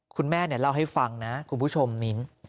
คุณแม่เล่าให้ฟังนะคุณผู้ชมมิ้น